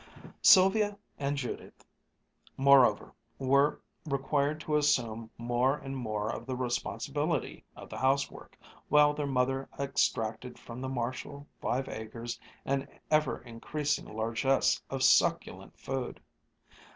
Sylvia and Judith, moreover, were required to assume more and more of the responsibility of the housework, while their mother extracted from the Marshall five acres an ever increasing largesse of succulent food.